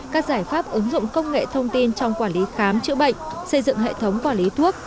các giải pháp ứng dụng công nghệ thông tin trong quản lý khám chữa bệnh xây dựng hệ thống quản lý thuốc